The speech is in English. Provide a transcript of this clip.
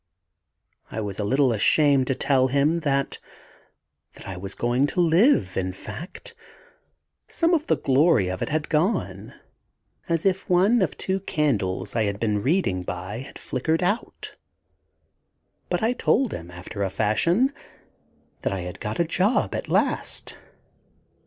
I was a little ashamed to tell him, that that I was going to live, in fact. Some of the glory of it had gone, as if one of two candles I had been reading by had flickered out. But I told him, after a fashion, that I had got a job at last.